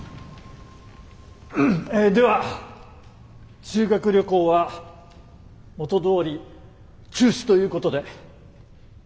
ええでは修学旅行は元どおり中止ということで。